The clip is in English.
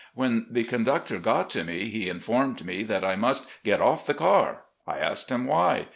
When the conductor got to me, he informed me that I "must get off this car." I asked him why.